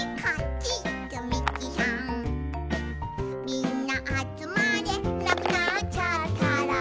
みんなあつまれ」「なくなっちゃったら」